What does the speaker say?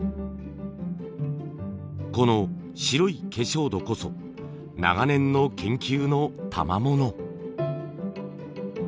この白い化粧土こそ長年の研究のたまもの。